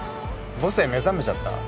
母性目覚めちゃった？